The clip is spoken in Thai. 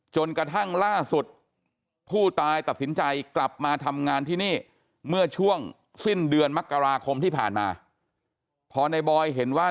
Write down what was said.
จนกระทั่งล่าสุดผู้ตายตัดสินใจกลับมาทำงานที่นี่เมื่อช่วงสิ้นเดือนมกราคมที่ผ่านมาพอในบอยเห็นว่า